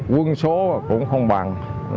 quân số cũng không bằng